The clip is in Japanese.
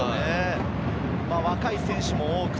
若い選手も多くて。